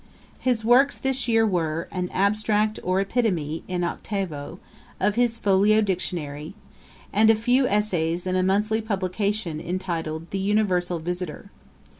] His works this year were, an abstract or epitome, in octavo, of his folio Dictionary, and a few essays in a monthly publication, entitled, The Universal Visiter.